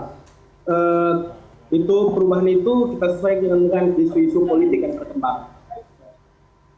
itu perubahan itu kita sesuai dengan isu isu politik yang berkembang